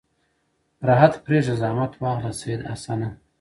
راحت پرېږده زحمت واخله سید حسنه.